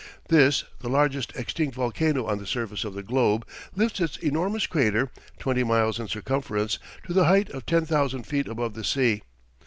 This, the largest extinct volcano on the surface of the globe, lifts its enormous crater, twenty miles in circumference, to the height of ten thousand feet above the sea.